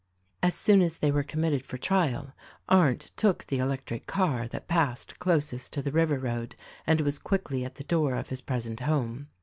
As soon as they were committed for trial Arndt took the electric car that passed closest to the river road and was quickly at the door of his present home.